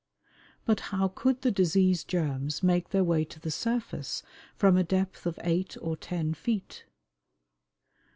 But how could the disease germs make their way to the surface from a depth of eight or ten feet?